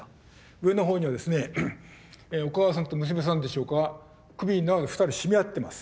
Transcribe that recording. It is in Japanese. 上の方にはですねお母さんと娘さんでしょうか首縄で２人絞め合ってます。